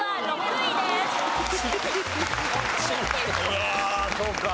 うわそうか。